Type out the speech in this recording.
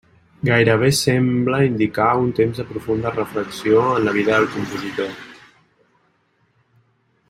Gairebé sembla indicar un temps de profunda reflexió en la vida del compositor.